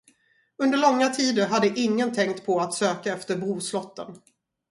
Under långa tider hade ingen tänkt på att söka efter brorslotten.